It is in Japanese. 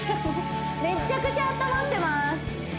めちゃくちゃあったまってます